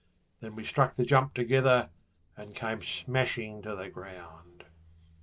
Then we struck the jump together and came smashing to the ground.